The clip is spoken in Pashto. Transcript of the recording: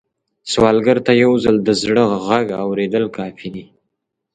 سوالګر ته یو ځل د زړه غږ اورېدل کافي دي